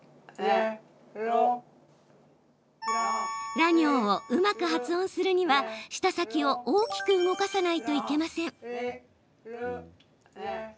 ら行をうまく発音するには舌先を大きく動かさないといけません。